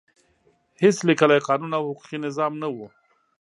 هېڅ لیکلی قانون او حقوقي نظام نه و.